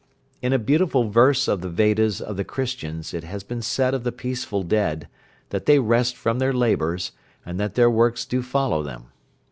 In a beautiful verse of the Vedas of the Christians it has been said of the peaceful dead, that they rest from their labours, and that their works do follow them.